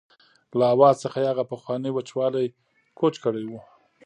له آواز څخه یې هغه پخوانی وچوالی کوچ کړی و.